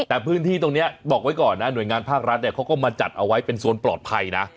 แต่พื้นที่ตรงนี้บอกไว้ก่อนนะหน่วยงานภาครัฐเนี่ยเขาก็มาจัดเอาไว้เป็นโซนปลอดภัยนะ